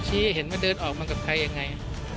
เห็นว่าเดินออกมากับใครยังไง